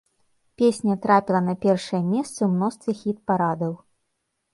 Песня трапіла на першыя месцы ў мностве хіт-парадаў.